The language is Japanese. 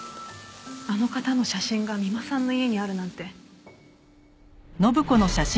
あの方の写真が三馬さんの家にあるなんて。